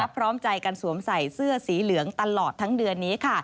พร้อมใจกันสวมใส่เสื้อสีเหลืองตลอดทั้งเดือนนี้